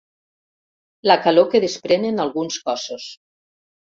La calor que desprenen alguns cossos.